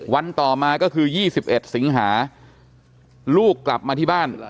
ต่อมาก็คือ๒๑สิงหาลูกกลับมาที่บ้าน